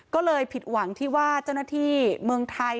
ก็เลยผิดหวังที่ว่าเจ้าหน้าที่เมืองไทย